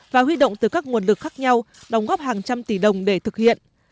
và huy động từ các nguồn lực khác nhau đóng góp hàng trăm tỷ đồng để thực hiện